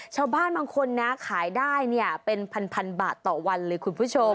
ชาวบ้านบางคนนะขายได้เนี่ยเป็นพันบาทต่อวันเลยคุณผู้ชม